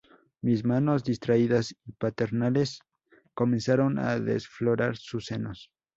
mis manos, distraídas y paternales, comenzaron a desflorar sus senos.